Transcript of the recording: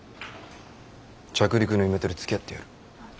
着陸のイメトレつきあってやる。